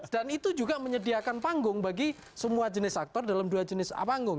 dan itu juga menyediakan panggung bagi semua jenis aktor dalam dua jenis panggung